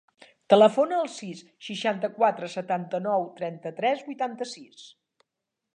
Telefona al sis, seixanta-quatre, setanta-nou, trenta-tres, vuitanta-sis.